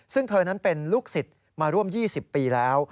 ซึ่งเธอนั้นเป็นลูกศิษย์มาร่วม๒๐ปีแล้ว